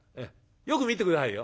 よく見て下さいよ。